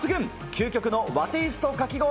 究極の和テイストかき氷。